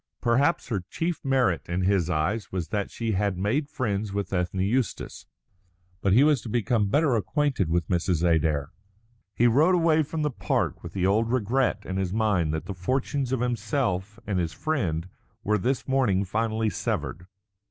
Perhaps her chief merit in his eyes was that she had made friends with Ethne Eustace. But he was to become better acquainted with Mrs. Adair. He rode away from the park with the old regret in his mind that the fortunes of himself and his friend were this morning finally severed.